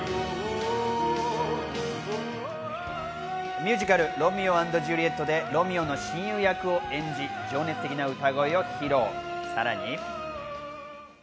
ミュージカル『ロミオ＆ジュリエット』でロミオの親友役を演じ情熱的な歌声を披露、さらに。